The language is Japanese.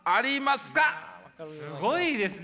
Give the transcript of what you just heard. すごいですね！